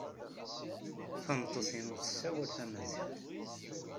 Tameṭṭut-inu tessawal tamaziɣt.